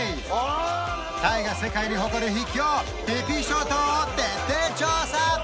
タイが世界に誇る秘境ピピ諸島を徹底調査